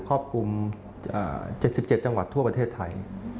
ครอบคลุม๗๗จังหวัดทั่วประเทศไทย